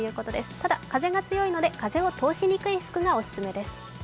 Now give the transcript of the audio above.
ただ、風が強いので風を通しにくい服がお勧めです。